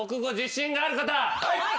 はい！